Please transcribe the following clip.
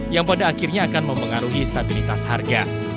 yang pada akhirnya akan mempengaruhi stabilitas harga